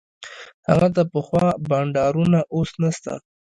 هغه د پخوا بانډارونه اوس نسته.